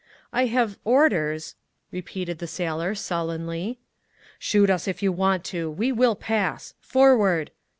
"I have orders—" repeated the sailor sullenly. "Shoot us if you want to! We will pass! Forward!"